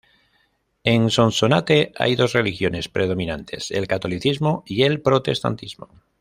En Sonsonate hay dos religiones predominantes, el catolicismo y el protestantismo.